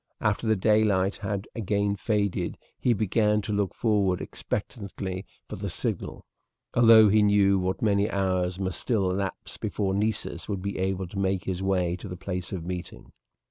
After the daylight had again faded he began to look forward expectantly for the signal, although he knew that many hours must still elapse before Nessus would be able to make his way to the place of meeting.